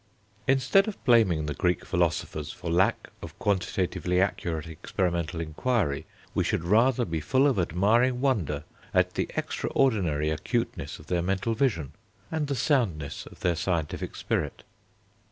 Instead of blaming the Greek philosophers for lack of quantitatively accurate experimental inquiry, we should rather be full of admiring wonder at the extraordinary acuteness of their mental vision, and the soundness of their scientific spirit.